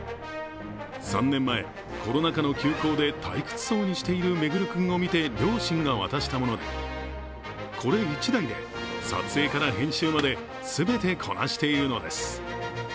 ３年前、コロナ禍の休校で退屈そうにしている環君を見て両親が渡したもので、これ１台で撮影から編集まで全てこなしているのです。